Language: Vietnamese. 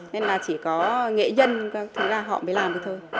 nên là chỉ có nghệ nhân các thứ là họ mới làm được thôi